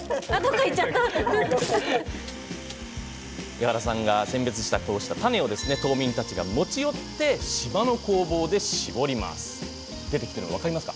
伊原さんが選別した種を島民たちが持ち寄って島の工房で搾ります。